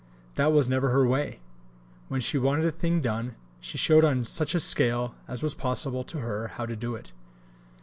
That was never her way. When she wanted a thing done, she showed on such scale as was possible to her how to do it.